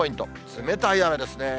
冷たい雨ですね。